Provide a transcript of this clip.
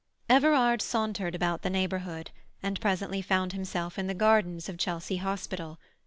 Everard sauntered about the neighbourhood, and presently found himself in the gardens of Chelsea Hospital.